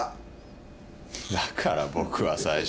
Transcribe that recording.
だから僕は最初っから。